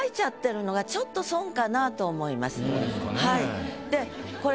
はい。